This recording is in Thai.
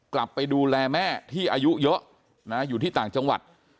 กลับไปดูแลแม่ที่อายุเยอะนะอยู่ที่ต่างจังหวัด